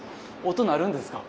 音鳴るんですか。